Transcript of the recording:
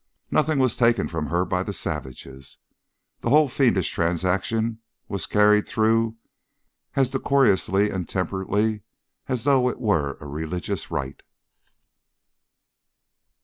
Nothing was taken from her by the savages. The whole fiendish transaction was carried through as decorously and temperately as though it were a religious rite.